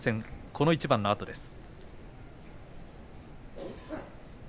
この一番のあとです。